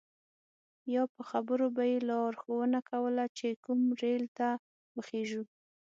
یا په خبرو به یې لارښوونه کوله چې کوم ریل ته وخیژو.